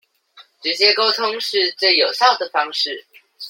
直接溝通是最有效的方式